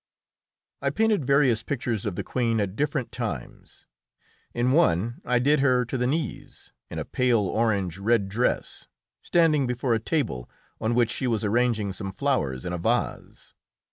I painted various pictures of the Queen at different times. In one I did her to the knees, in a pale orange red dress, standing before a table on which she was arranging some flowers in a vase.